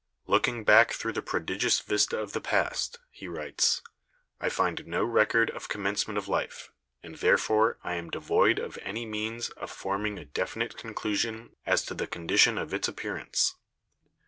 "Looking back through the prodigious vista of the past," he writes, "I find no record of commencement of life, and therefore I am devoid of any means of forming a definite conclusion as to the condition of its appearance.